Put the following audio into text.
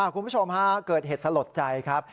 คุณผู้ชมฮะเกิดเหตุสลดใจครับ